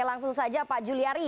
langsung saja pak juliari